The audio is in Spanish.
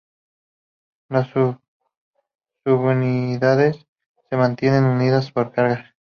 Las subunidades se mantienen unidas por cargas.